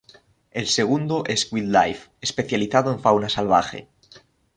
El segundo es Wild Life, especializado en fauna salvaje.